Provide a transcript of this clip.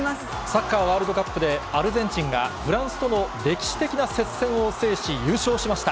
サッカーワールドカップで、アルゼンチンがフランスとの歴史的な接戦を制し、優勝しました。